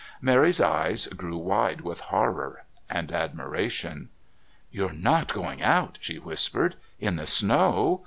Mary's eyes grew wide with horror and admiration. "You're not going out," she whispered. "In the snow.